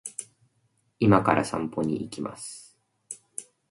今から散歩に行きます